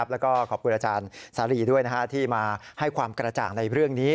แล้วก็ขอบคุณอาจารย์สารีด้วยที่มาให้ความกระจ่างในเรื่องนี้